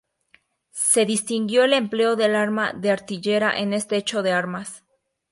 Se distinguió el empleo del arma de artillería en este hecho de armas.